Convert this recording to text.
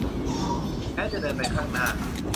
แม้จะเดินไปข้างหน้า